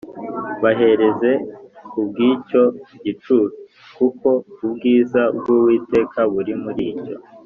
bahereze ku bw icyo gicu kuko ubwiza bw Uwiteka buri muricyo